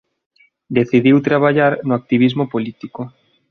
Decidiu traballar no activismo político.